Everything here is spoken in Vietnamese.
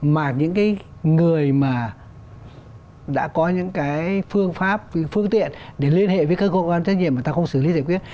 mà những người mà đã có những cái phương pháp phương tiện để liên hệ với các cơ quan trách nhiệm mà ta không xử lý giải quyết